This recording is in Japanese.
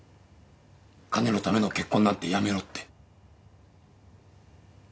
金のための結婚なんてやめろって。